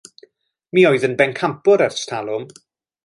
Mi oedd o'n bencampwr ers talwm.